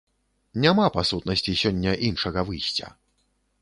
Няма па сутнасці сёння іншага выйсця.